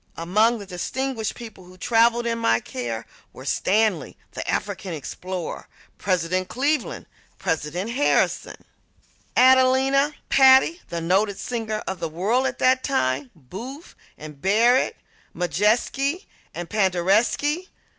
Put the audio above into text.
Among the distinguished people who traveled in my care were Stanley, the African explorer; President Cleveland; President Harrison; Adelina Patti, the noted singer of the world at that time; Booth and Barrett; Modjeski and Paderewski.